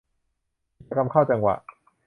กิจกรรมเข้าจังหวะ